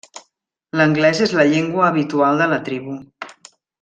L'anglès és la llengua habitual de la tribu.